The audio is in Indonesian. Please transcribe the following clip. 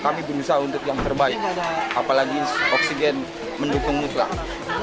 untuk yang terbaik apalagi oksigen mendukung usaha